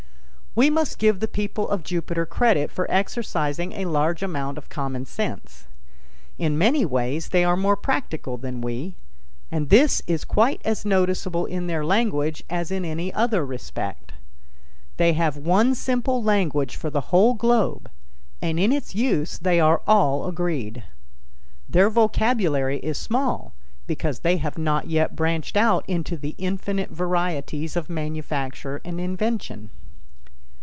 We must give the people of Jupiter credit for exercising a large amount of common sense. In many ways they are more practical than we, and this is quite as noticeable in their language as in any other respect. They have one simple language for the whole globe and in its use they are all agreed. Their vocabulary is small because they have not yet branched out into the infinite varieties of manufacture and invention.